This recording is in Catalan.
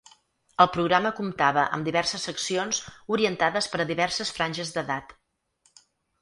El programa comptava amb diverses seccions orientades per a diverses franges d'edat.